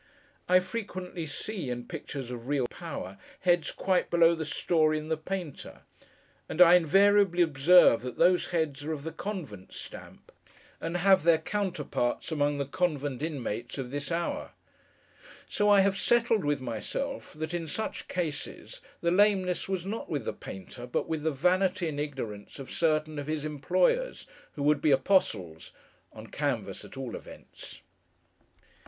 I frequently see, in pictures of real power, heads quite below the story and the painter: and I invariably observe that those heads are of the Convent stamp, and have their counterparts among the Convent inmates of this hour; so, I have settled with myself that, in such cases, the lameness was not with the painter, but with the vanity and ignorance of certain of his employers, who would be apostles—on canvas, at all events.